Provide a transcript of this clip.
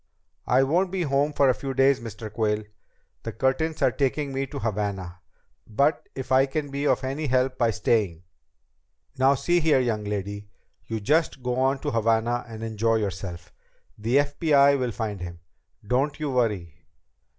"I won't be home for a few days, Mr. Quayle. The Curtins are taking me to Havana. But if I can be of any help by staying ..." "Now see here, young lady. You just go on to Havana and enjoy yourself. The FBI will find him, don't you worry."